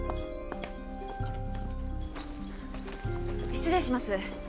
失礼します。